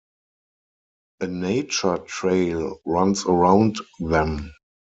A nature trail runs around them.